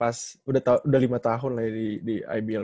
pas udah lima tahun lah ya di ibl